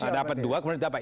dapat dua kemudian dapat